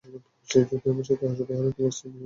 যদি আমার সাথে আসো, পাহাড়ে তোমার সি-সিকনেস হবে না।